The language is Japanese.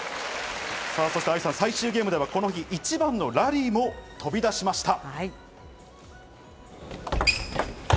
最終ゲームではこの日、一番のラリーも飛び出しました。